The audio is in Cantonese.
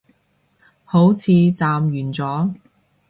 好似暫完咗